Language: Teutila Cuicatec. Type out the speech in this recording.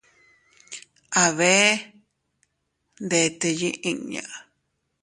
A bee ndete yiʼi inña.